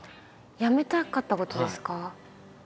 やめたかったことですか？